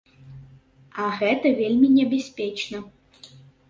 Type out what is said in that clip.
А гэта вельмі небяспечна.